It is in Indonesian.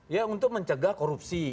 ya untuk mencegah korupsi